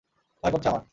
ভয় করছে আমার।